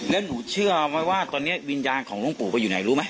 แล้วหนูเชื่อไหมว่าตอนนี้วิญญาณของหลวงปู่ไปอยู่ไหนรู้ไหม